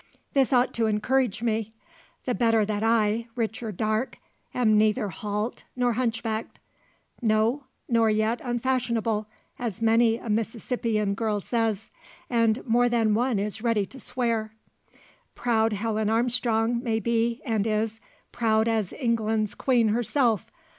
This ought to encourage me; the better that I, Richard Darke, am neither halt, nor hunchbacked. No, nor yet unfashionable, as many a Mississippian girl says, and more than one is ready to swear. "Proud Helen Armstrong may be, and is; proud as England's queen herself.